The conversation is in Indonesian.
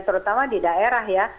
terutama di daerah ya